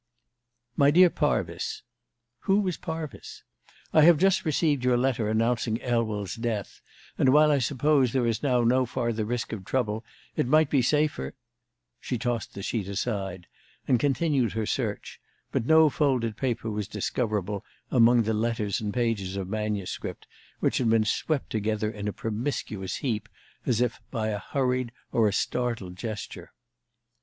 "My dear Parvis," who was Parvis? "I have just received your letter announcing Elwell's death, and while I suppose there is now no farther risk of trouble, it might be safer " She tossed the sheet aside, and continued her search; but no folded paper was discoverable among the letters and pages of manuscript which had been swept together in a promiscuous heap, as if by a hurried or a startled gesture.